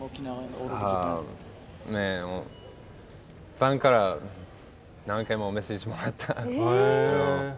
ファンから何回もメッセージ、もらった。